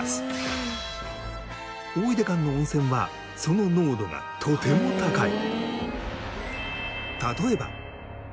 大出館の温泉はその濃度がとても高い。